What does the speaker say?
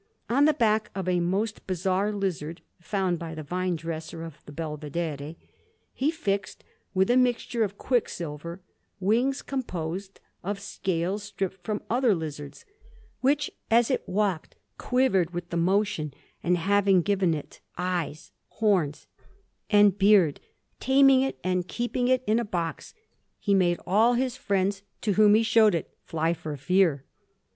On the back of a most bizarre lizard, found by the vine dresser of the Belvedere, he fixed, with a mixture of quicksilver, wings composed of scales stripped from other lizards, which, as it walked, quivered with the motion; and having given it eyes, horns, and beard, taming it, and keeping it in a box, he made all his friends, to whom he showed it, fly for fear.